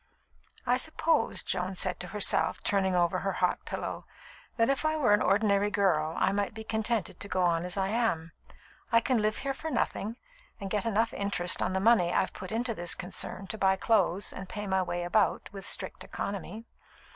"I suppose," Joan said to herself, turning over her hot pillow, "that if I were an ordinary girl, I might be contented to go on as I am. I can live here for nothing, and get enough interest on the money I've put into this concern to buy clothes and pay my way about, with strict economy.